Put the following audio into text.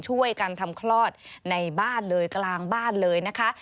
ช่วยกันทำคลอดในบ้านเลยกลางบ้านเลยนะคะ